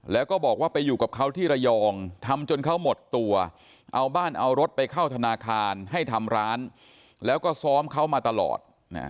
แล้วก็บอกว่าไปอยู่กับเขาที่ระยองทำจนเขาหมดตัวเอาบ้านเอารถไปเข้าธนาคารให้ทำร้านแล้วก็ซ้อมเขามาตลอด